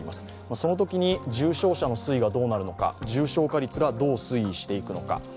そのときに重症者の推移がどうなるのか重症化率がどう推移していくのか。